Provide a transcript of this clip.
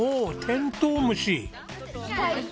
テントウムシ！